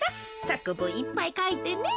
さくぶんいっぱいかいてね。